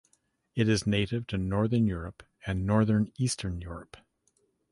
It is native to Northern Europe and Northern Eastern Europe.